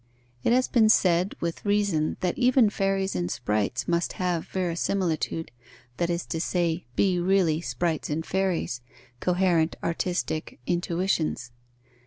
It has been said with reason that even fairies and sprites must have verisimilitude, that is to say, be really sprites and fairies, coherent artistic intuitions.